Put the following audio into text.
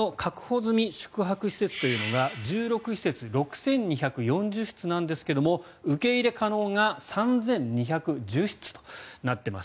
済み宿泊施設というのが１６室６２４０室なんですが受け入れ可能が３２１０室となっています。